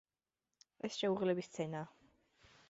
ეს შეუღლების სცენაა.